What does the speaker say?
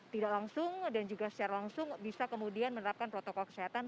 tidak langsung dan juga secara langsung bisa kemudian menerapkan protokol kesehatan